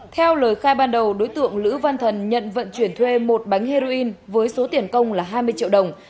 theo lời khai ban đầu đối tượng lữ văn thần nhận vận chuyển thuê một bánh heroin với số tiền công là hai mươi triệu đồng